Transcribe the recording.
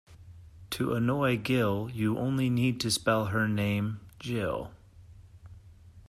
To annoy Gill, you only need to spell her name Jill.